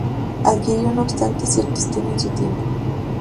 Adquirió, no obstante, cierta estima en su tiempo.